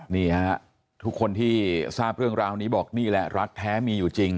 นี่ฮะทุกคนที่ทราบเรื่องราวนี้บอกนี่แหละรักแท้มีอยู่จริง